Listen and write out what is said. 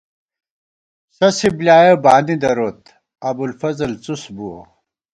سَسی بۡلیایَہ بانی دروت، ابُوالفضل څُس بُوَہ